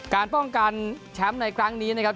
การป้องกันแชมป์ในครั้งนี้นะครับ